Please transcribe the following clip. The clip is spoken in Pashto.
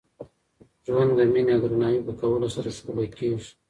ژوند د میني او درناوي په کولو سره ښکلی کېږي.